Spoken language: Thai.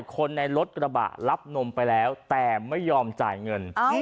คนในรถกระบะรับนมไปแล้วแต่ไม่ยอมจ่ายเงิน